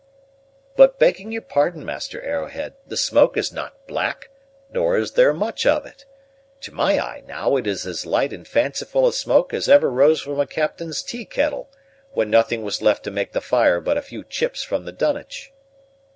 "But, begging your pardon, Master Arrowhead, the smoke is not black, nor is there much of it. To my eye, now, it is as light and fanciful a smoke as ever rose from a captain's tea kettle, when nothing was left to make the fire but a few chips from the dunnage."